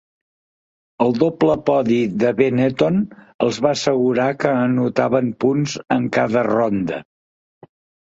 El doble podi de Benetton els va assegurar que anotaven punts en cada ronda.